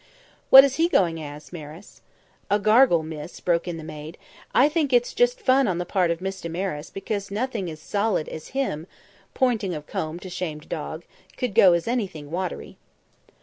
"What is he going as, Maris?" "A gargle, miss," broke in the maid. "I think it's just fun on the part of Miss Damaris, because nothing as solid as him," pointing of comb to shamed dog "could go as anything watery."